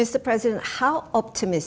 tuan presiden apakah anda optimis